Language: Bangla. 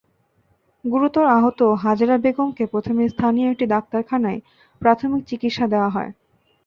গুরুতর আহত হাজেরা বেগমকে প্রথমে স্থানীয় একটি ডাক্তারখানায় প্রাথমিক চিকিৎসা দেওয়া হয়।